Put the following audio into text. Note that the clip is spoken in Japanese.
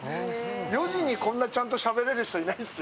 ４時にこんなちゃんとしゃべれる人、いないですよ。